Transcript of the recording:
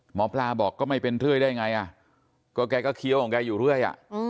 หมอปลาบอกก็ไม่เป็นเรื่อยได้ไงก็แกก็เคี้ยวของแกอยู่เรื่อย